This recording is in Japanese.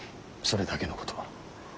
それだけのこと。